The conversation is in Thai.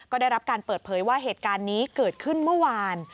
ก็ได้รับการเปิดเผยว่าเหตุการณ์นี้เกิดขึ้นเมื่อวาน